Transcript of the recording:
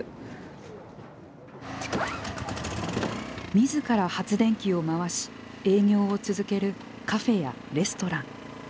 みずから発電機を回し営業を続けるカフェやレストラン。